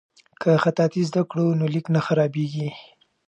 که خطاطي زده کړو نو لیک نه خرابیږي.